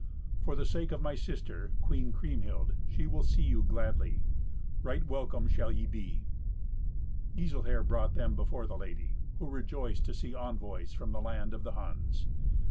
For the sake of my sister, Queen Kriemhild, she will see you gladly. Right welcome shall ye be." Giselher brought them before the lady, who rejoiced to see envoys from the land of the Huns.